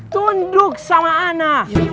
tunduk sama ana